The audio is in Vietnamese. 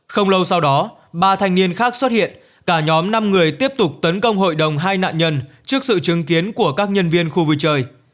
không lâu sau đó ba thanh niên khác xuất hiện cả nhóm năm người tiếp tục tấn công hội đồng hai nạn nhân trước sự chứng kiến của các nhân viên khu vui chơi